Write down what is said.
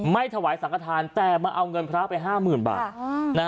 ไม่ถวายสังขทานแต่มาเอาเงินพระไปห้าหมื่นบาท